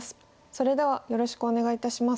それではよろしくお願いいたします。